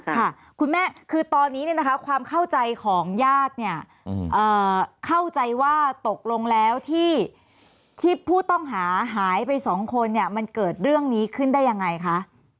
ค่ะคุณแม่คือตอนนี้เนี่ยนะคะความเข้าใจของญาติเนี่ยเข้าใจว่าตกลงแล้วที่ผู้ต้องหาหายไปสองคนเนี่ยมันเกิดเรื่องนี้ขึ้นได้ยังไงคะ